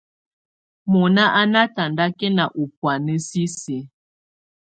Mɔna á nà tataŋkɛna ɔ̀ bɔ̀ána sisi.